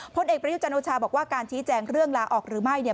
พลเอกประยุจันโอชาบอกว่าการชี้แจงเรื่องลาออกหรือไม่เนี่ย